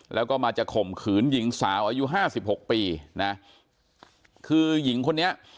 แล้วก็มาจะข่มขืนหญิงสาวอายุห้าสิบหกปีนะคือหญิงคนนี้